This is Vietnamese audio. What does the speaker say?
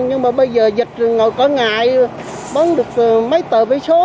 nhưng mà bây giờ dịch rồi ngồi cả ngày bán được mấy tờ vé số